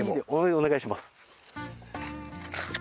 お願いします。